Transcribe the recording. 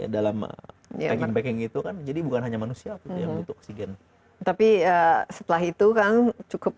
dalam packing packing itu kan jadi bukan hanya manusia yang butuh oksigen tapi setelah itu kan cukup